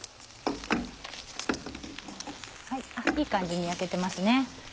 いい感じに焼けてますね。